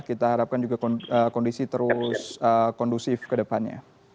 kita harapkan juga kondisi terus kondusif ke depannya